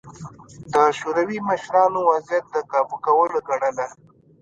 د شوروي مشرانو وضعیت د کابو کولو ګڼله